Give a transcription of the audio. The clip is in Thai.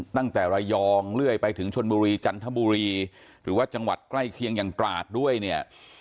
ตั้งแต่ระยองเรื่อยไปถึงชนบุรีจันทบุรีหรือว่าจังหวัดใกล้เคียงอย่างตราดด้วยเนี่ย